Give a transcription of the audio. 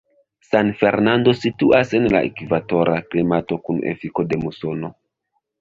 San Fernando situas en la ekvatora klimato kun efiko de musono.